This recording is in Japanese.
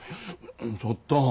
ちょっと。